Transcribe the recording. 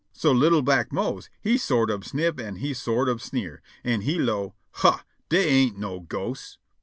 So li'l' black Mose he sort ob sniff an' he sort ob sneer, an' he 'low': "Huh! dey ain't no ghosts."